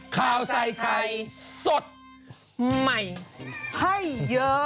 ข่าวใส่ไข่สดใหม่ให้เยอะ